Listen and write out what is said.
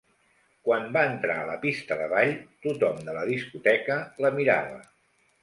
Quan va entrar a la pista de ball, tothom de la discoteca la mirava.